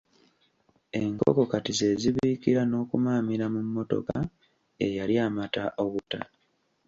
Enkoko kati ze zibiikira n'okumaamirira mu mmotoka eyali amata obuta.